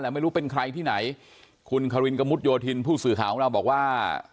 แต่ไม่รู้เป็นใครที่ไหนคุณคารินกระมุดโยธินผู้สื่อข่าวของเราบอกว่า